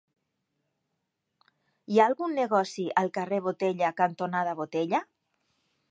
Hi ha algun negoci al carrer Botella cantonada Botella?